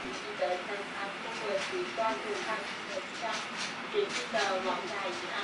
圆货贝扁裸藻为裸藻科扁裸藻属下的一个种。